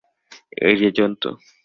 এই যে, জন্তু।